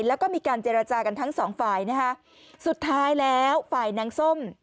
แล้วก็มีการเจรจากันทั้งสองฝ่ายนะคะสุดท้ายแล้วฝ่ายนางส้ม